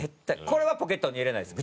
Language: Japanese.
これはポケットに入れないです。